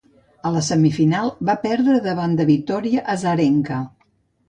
A la semifinal, va perdre davant Victoria Azarenka.